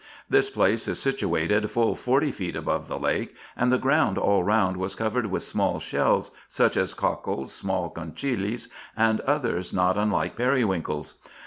This place is situated full forty feet above the lake, and the ground all round was covered with small shells, such as cockles, small conchilies, and others not unlike periwinkles.